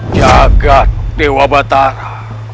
jagad dewa batara